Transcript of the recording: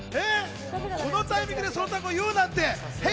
このタイミングでその単語を言うなんて、ヘイ！